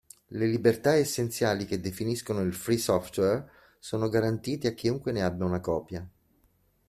Le libertà essenziali che definiscono il "free software" sono garantite a chiunque ne abbia una copia.